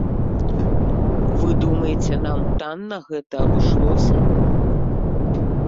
Вы думаеце, нам танна гэта абышлося?